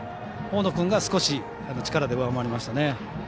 大野君が少し力で上回りましたね。